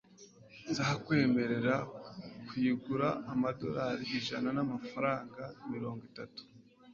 nzakwemerera kuyigura amadorari ijana n'amafaranga mirongo itatu